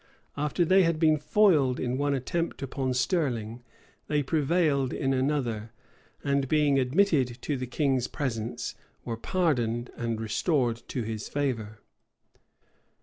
After they had been foiled in one attempt upon Stirling, they prevailed in another; and being admitted to the king's presence, were pardoned, and restored to his favor.